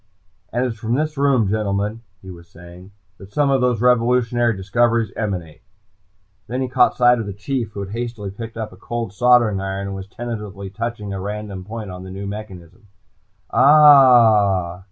"... and it is from this room, gentlemen," he was saying, "That some of those revolutionary discoveries emanate!" Then he caught sight of the Chief, who had hastily picked up a cold soldering iron and was tentatively touching a random point on the new mechanism. "Ah h!"